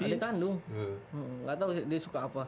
iya ade kandung nggak tau dia suka apa